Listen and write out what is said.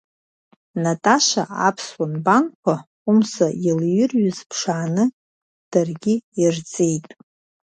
Наташа аԥсуа нбанқәа Хәымса илирҩыз ԥшааны даргьы ирҵеит.